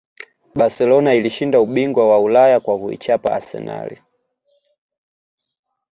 barcelona ilishinda ubingwa wa ulaya kwa kuichapa arsenal